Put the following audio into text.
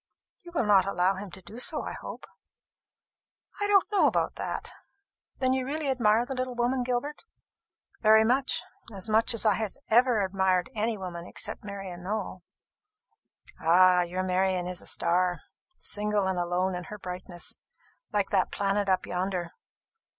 "You will not allow him to do so, I hope?" "I don't know about that. Then you really admire the little woman, Gilbert?" "Very much; as much as I have ever admired any woman except Marian Nowell." "Ah, your Marian is a star, single and alone in her brightness, like that planet up yonder!